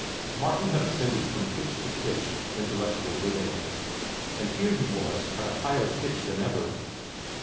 Martin had ascended from pitch to pitch of intellectual living, and here he was at a higher pitch than ever.